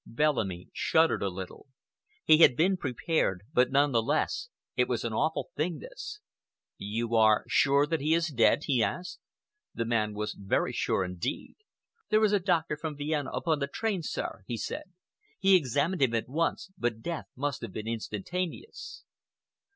Bellamy shuddered a little. He had been prepared, but none the less it was an awful thing, this. "You are sure that he is dead?" he asked. The man was very sure indeed. "There is a doctor from Vienna upon the train, sir," he said. "He examined him at once, but death must have been instantaneous."